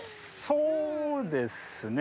そうですね。